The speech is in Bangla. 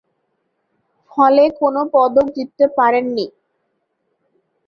ফলে কোনো পদক জিততে পারেননি।